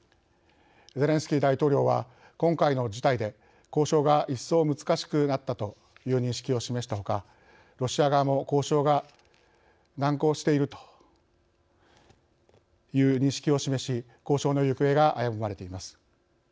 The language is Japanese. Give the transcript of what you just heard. ゼレンスキー大統領は今回の事態で交渉が一層難しくなったという認識を示したほかロシア側も交渉が難航しているという認識を示し交渉の行方が危ぶまれています。